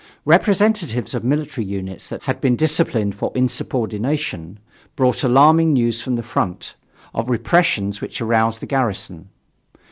Representatives of military units that had been disciplined for insubordination brought alarming news from the front, of repressions which aroused the garrison.